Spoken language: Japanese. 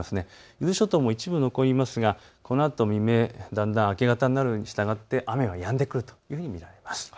伊豆諸島も一部残りますがこのあと未明、だんだん明け方になるにしたがって雨がやんでくると見られます。